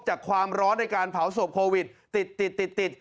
จากความร้อนในการเผาศพโควิดติดติด